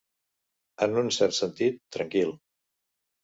En un cert sentit, tranquil.